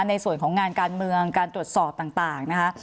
ในส่วนของงานการเมืองการตรวจสอบต่างนะคะ